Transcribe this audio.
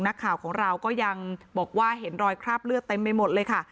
นักข่าวของเราก็ยังบอกว่าเห็นรอยคราบเลือดเต็มไปหมดเลยค่ะ